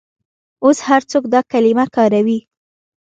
اوس هر څوک دا کلمه کاروي.